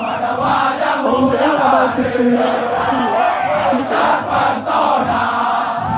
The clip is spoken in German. Bei den Dreharbeiten zu Made of Steel spielte er als Komparse mit.